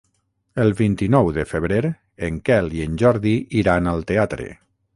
El vint-i-nou de febrer en Quel i en Jordi iran al teatre.